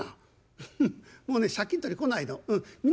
「フフッもうね借金取り来ないのうん。